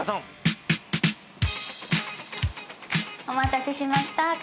お待たせしました。